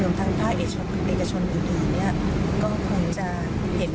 หรือทางภาคเอกชนอื่น